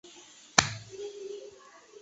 隆庆二年戊辰科第三甲第九十四名进士。